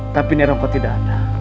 tapi nerampak tidak ada